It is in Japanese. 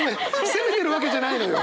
責めてるわけじゃないのよ！